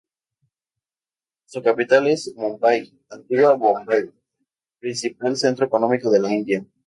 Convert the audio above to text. Su capital es Mumbai, antigua Bombay, principal centro económico de la India.